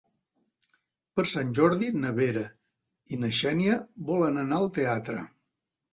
Per Sant Jordi na Vera i na Xènia volen anar al teatre.